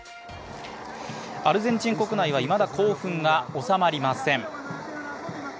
アルゼンチン国内はいまだ興奮が収まりません。